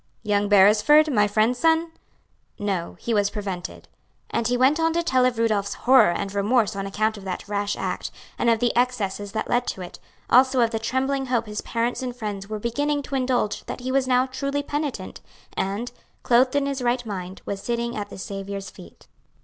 "Young Beresford, my friend's son? No, he was prevented." And he went on to tell of Rudolph's horror and remorse on account of that rash act, and of the excesses that led to it; also of the trembling hope his parents and friends were beginning to indulge that he was now truly penitent, and, clothed in his right mind, was sitting at the Saviour's feet.